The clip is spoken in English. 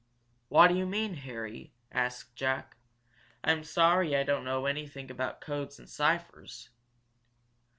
"What do you mean, Harry?" asked Jack. "I'm sorry I don't know anything about codes and ciphers."